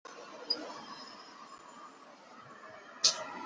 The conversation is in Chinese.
萨莱朗。